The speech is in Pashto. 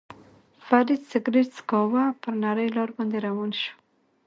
فرید سګرېټ څکاوه، پر نرۍ لار باندې روان شو.